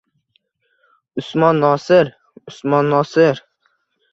Usmon Nosir, Usmon Nosir.